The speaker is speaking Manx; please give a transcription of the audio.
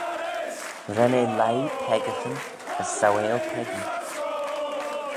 Ren eh leih peccaghyn as sauail peccee.